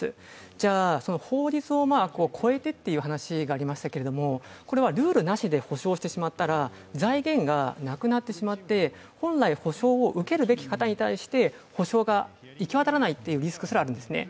じゃあ法律を超えてという話がありましたけれども、これはルールなしで補償してしまったら財源がなくなってしまって本来補償を受けるべき方に対して補償が行き渡らないというリスクすらあるんですね、